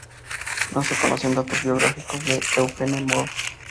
No se conocen datos biográficos de Eugene Moore.